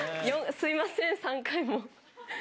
すみません、３回も。